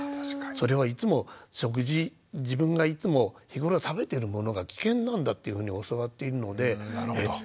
それはいつも食事自分がいつも日頃食べてるものが危険なんだっていうふうに教わっているのでえっ